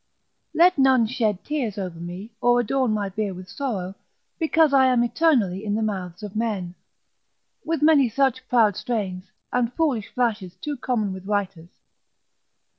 Let none shed tears over me, or adorn my bier with sorrow—because I am eternally in the mouths of men. With many such proud strains, and foolish flashes too common with writers.